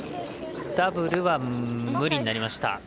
ダブルは無理になりました。